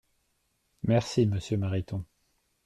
Merci monsieur Mariton.